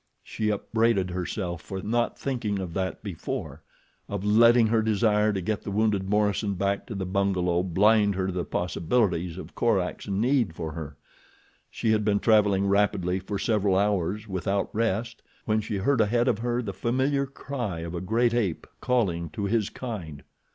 She upbraided herself for not thinking of that before—of letting her desire to get the wounded Morison back to the bungalow blind her to the possibilities of Korak's need for her. She had been traveling rapidly for several hours without rest when she heard ahead of her the familiar cry of a great ape calling to his kind.